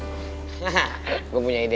haha gue punya ide